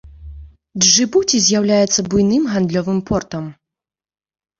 Джыбуці з'яўляецца буйным гандлёвым портам.